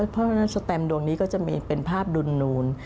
เพราะฉะนั้นสแตมป์ดวงนี้จะมีภาพดุน